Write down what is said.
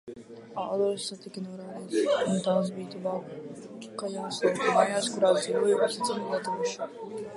Adreses tika norādītas un tās bija tuvākajās lauku mājās, kurās dzīvoja uzticami latvieši.